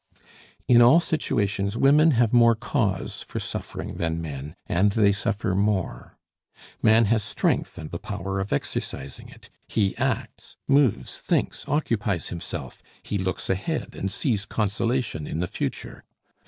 In all situations women have more cause for suffering than men, and they suffer more. Man has strength and the power of exercising it; he acts, moves, thinks, occupies himself; he looks ahead, and sees consolation in the future.